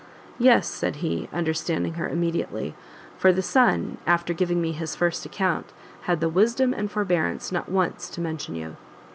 "Yes," said he, understanding her immediately, "for the son, after giving me his first account, had the wisdom and forbearance not once to mention you."